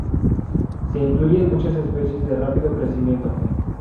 Se incluyen muchas especies de rápido crecimiento.